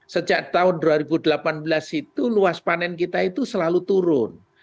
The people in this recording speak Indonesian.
sejak tahun dua ribu delapan belas itu luas panen kita itu selalu turun